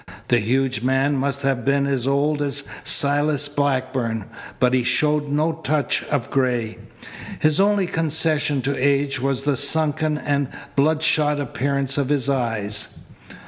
The huge man must have been as old as Silas Blackburn, but he showed no touch of gray. His only concession to age was the sunken and bloodshot appearance of his eyes.